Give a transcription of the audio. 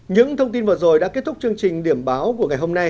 những thông tin vừa rồi đã kết thúc chương trình điểm báo của ngày hôm nay